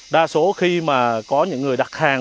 đa số khi mà có những người đặt hàng